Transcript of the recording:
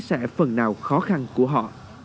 sẽ phần nào khó khăn của họ